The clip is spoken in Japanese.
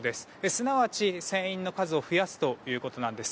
すなわち船員の数を増やすということなんです。